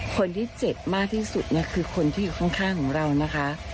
คนที่เจ็บมากที่สุดคือคนที่อยู่ข้างของเรานะคะ